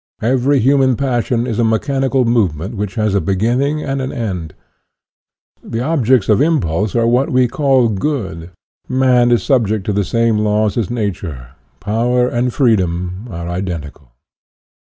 Every human passion is a mechanical movement which has a beginning and an end. The objects of impulse are what we call good. Man is subject to the same laws as nature. Power and freedom are identical.